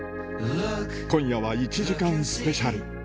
今夜は１時間スペシャル。